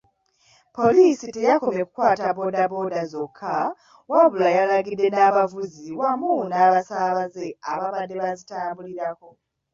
Poliisi teyakomye kukwata bbooda bbooda zokka, wabula yaggalidde n'abavuzi wamu n'abasaabaze abaabadde bazitambuliriko.